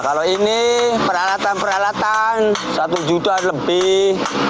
kalau ini peralatan peralatan satu jutaan lebih